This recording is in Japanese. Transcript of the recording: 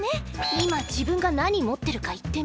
今自分が何持ってるか言ってみ？